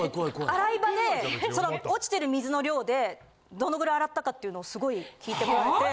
洗い場で落ちてる水の量でどのぐらい洗ったかっていうのをすごい聞いてこられて。